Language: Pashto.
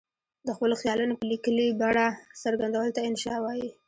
د خپلو خیالونو په لیکلې بڼه څرګندولو ته انشأ وايي.